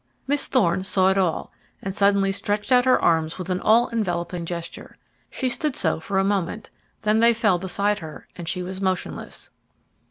Miss Thorne saw it all, and suddenly stretched out her arms with an all enveloping gesture. She stood so for a minute, then they fell beside her, and she was motionless.